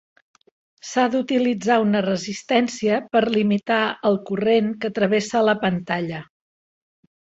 S'ha d'utilitzar una resistència per a limitar el corrent que travessa la pantalla.